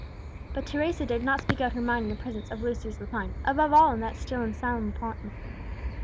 But Teresa dared not speak out her mind in the presence of Lucius Lepine, above all in that still and solemn apartment.